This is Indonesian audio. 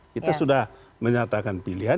kita sudah menyatakan pilihan